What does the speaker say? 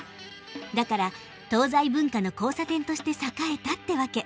だから東西文化の交差点として栄えたってわけ。